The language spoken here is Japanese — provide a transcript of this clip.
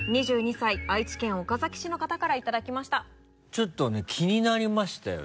ちょっとね気になりましたよね。